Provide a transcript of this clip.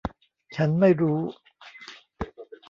ฉันไม่รู้